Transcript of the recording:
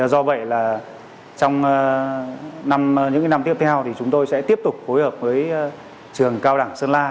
do vậy là trong những năm tiếp theo thì chúng tôi sẽ tiếp tục phối hợp với trường cao đẳng sơn la